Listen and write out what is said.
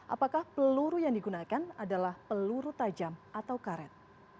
apakah peluru yang digunakan adalah peluru tajam atau karet